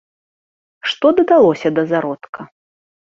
Што дадалося да зародка?